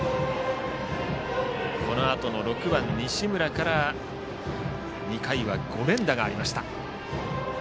このあとの６番、西村から２回は５連打がありました。